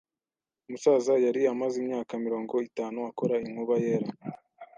Umusaza yari amaze imyaka mirongo itanu akora inkuba yera.